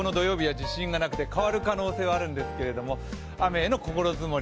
自信がなくて変わる可能性はあるんですけれども、雨への心づもり